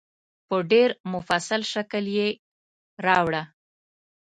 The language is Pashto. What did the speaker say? په ډېر مفصل شکل یې راوړه.